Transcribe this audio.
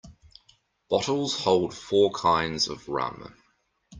Bottles hold four kinds of rum.